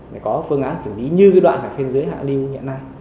để có phương án xử lý như cái đoạn ở phên giới hạ liu hiện nay